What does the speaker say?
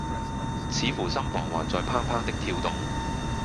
似乎心房還在怦怦的跳動。